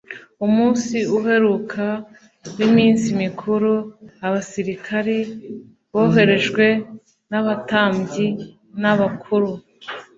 Umunsi uheruka w'iminsi mikuru abasirikari boherejwe n'abatambyi n'abakuru